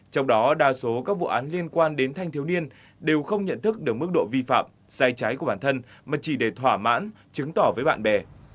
trong đó đa số các vụ án liên quan đến thanh thiếu niên đều không nhận thức được mức độ vi phạm sai trái của bản thân mà chỉ để thỏa mãn chứng tỏ với bạn bè